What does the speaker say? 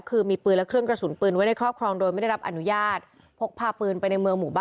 หนูก็ยังเชื่อว่าพ่อนุไม่ได้ทำอะไรผิด